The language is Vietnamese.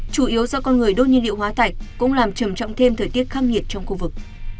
chủ yếu do con người đốt nhiên liệu hóa thạch cũng làm trầm trọng thêm thời tiết khắc nghiệt trong khu vực